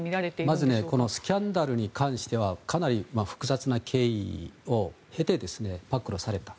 まずスキャンダルに関してはかなり複雑な経緯を経て暴露された。